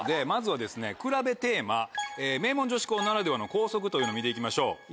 まずはくらべテーマ名門女子校ならではの校則というのを見て行きましょう。